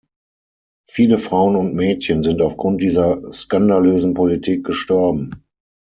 Viele Frauen und Mädchen sind aufgrund dieser skandalösen Politik gestorben.